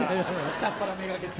下っ腹目掛けて。